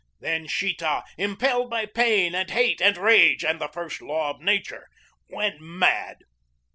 Then Sheeta, impelled by pain and hate and rage and the first law of Nature, went mad.